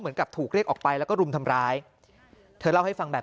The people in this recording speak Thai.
เหมือนกับถูกเรียกออกไปแล้วก็รุมทำร้ายเธอเล่าให้ฟังแบบ